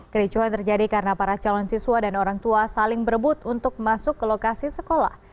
kericuhan terjadi karena para calon siswa dan orang tua saling berebut untuk masuk ke lokasi sekolah